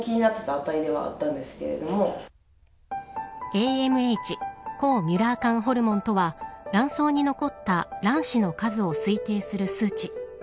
ＡＭＨ抗ミュラー管ホルモンとは卵巣に残った卵子の数を推定する数値。